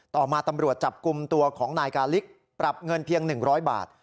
ต่อมาตำรวจจับกลุ่มตัวของนายกาลิกปรับเงินเพียง๑๐๐บาท